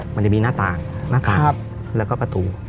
มันจะมีหน้าต่างหน้ากากแล้วก็ประตู